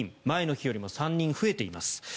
前の日よりも３人増えています。